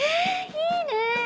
いいね！